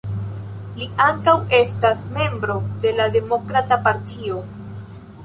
Li ankaŭ estas membro de la Demokrata Partio.